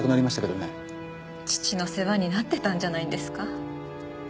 父の世話になってたんじゃないんですか？